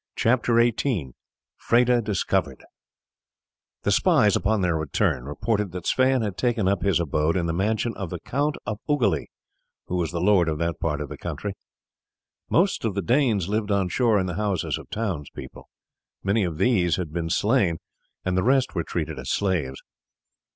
CHAPTER XVIII: FREDA DISCOVERED The spies upon their return reported that Sweyn had taken up his abode in the mansion of the Count of Ugoli, who was the lord of that part of the country. Most of the Danes lived on shore in the houses of the townspeople. Many of these had been slain, and the rest were treated as slaves.